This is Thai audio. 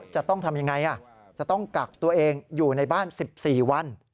จากตัวเองอยู่ในบ้าน๑๔วัน